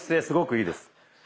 すごくいいです。